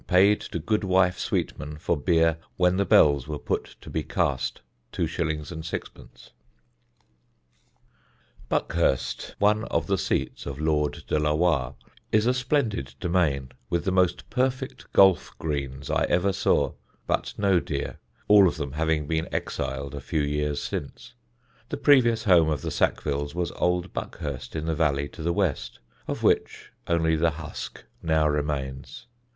Pd. to good wife Sweatman for beer when ye bells were put to be cast 2 6 Buckhurst, one of the seats of Lord De la Warr, is a splendid domain, with the most perfect golf greens I ever saw, but no deer, all of them having been exiled a few years since. The previous home of the Sackvilles was Old Buckhurst in the valley to the west, of which only the husk now remains.